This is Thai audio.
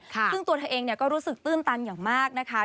ซึ่งตัวเธอเองก็รู้สึกตื้นตันอย่างมากนะคะ